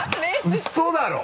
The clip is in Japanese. ウソだろう！